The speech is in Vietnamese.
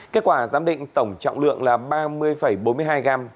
kết quả giám định tổng trọng lượng là ba mươi bốn mươi hai gram